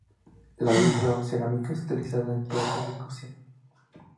La vitro cerámica es utilizada en placas de cocina.